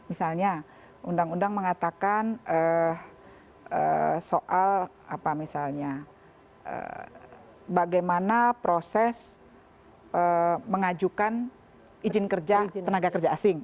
misalnya undang undang mengatakan soal apa misalnya bagaimana proses mengajukan izin kerja tenaga kerja asing